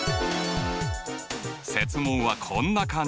設問はこんな感じ。